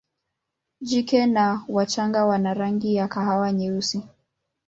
Jike na wachanga wana rangi ya kahawa nyeusi.